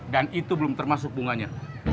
dan itu belum termasuk bunganya